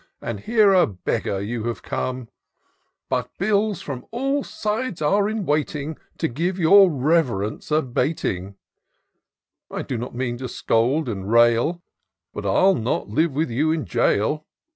And here a beggar you are come ; But bills from all sides are in waiting, To give your Reverence a baiting : I do not mean to scold and rail ; But I'll not live with you in jail.